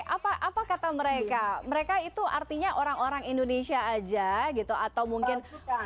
apa apa kata mereka mereka itu artinya orang orang indonesia aja gitu atau mungkin